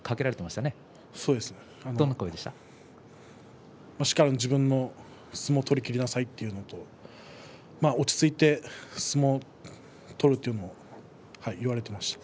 しっかり自分の相撲を取りきりなさいということと落ち着いて相撲を取るというのを言われてました。